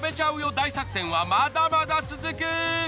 大作戦はまだまだ続く。